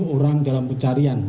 dua puluh orang dalam pencarian